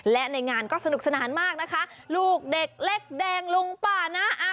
และในงานก็สนุกสนานมากนะคะลูกเด็กเล็กแดงลุงป่านะ